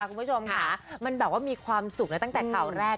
คุณผู้ชมค่ะมันแบบว่ามีความสุขนะตั้งแต่ข่าวแรก